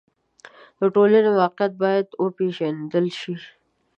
د ټولنې واقعیت باید وپېژندل شي.